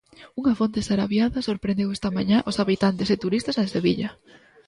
Unha forte sarabiada sorprendeu esta mañá os habitantes e turistas en Sevilla.